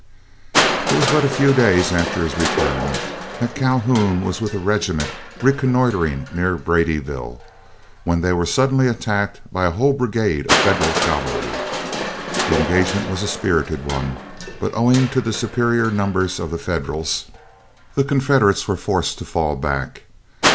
It was but a few days after his return that Calhoun was with a regiment reconnoitring near Braddyville, when they were suddenly attacked by a whole brigade of Federal cavalry. The engagement was a spirited one, but owing to the superior numbers of the Federals, the Confederates were forced to fall back.